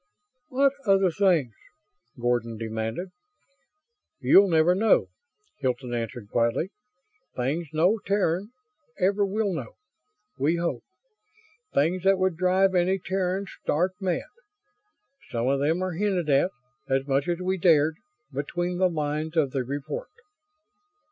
"What other things?" Gordon demanded. "You'll never know," Hilton answered, quietly. "Things no Terran ever will know. We hope. Things that would drive any Terran stark mad. Some of them are hinted at as much as we dared between the lines of the report."